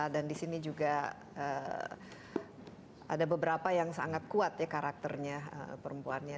dan disini juga ada beberapa yang sangat kuat ya karakternya perempuannya